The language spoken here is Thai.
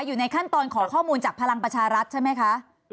อยู่ในขั้นตอนขอข้อมูลจากพลังประชารัฐใช่ไหมคะ